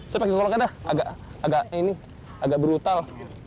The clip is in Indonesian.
saya pakai goloknya dah agak brutal